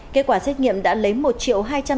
kết quả xét nghiệm đã lấy một hai trăm sáu mươi chín